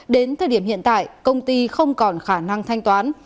đến thời điểm hiện tại công ty không còn khả năng thanh toán